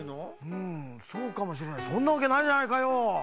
うんそうかもしれないそんなわけないじゃないかよ。